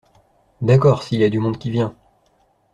D’accord, s’il y a du monde qui vient.